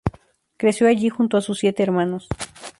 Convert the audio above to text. Creció allí junto a sus siete hermanos.